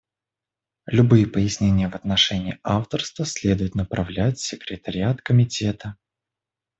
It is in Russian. Любые пояснения в отношении авторства следует направлять в секретариат Комитета.